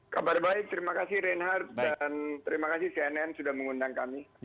kabar baik terima kasih reinhardt dan terima kasih cnn sudah mengundang kami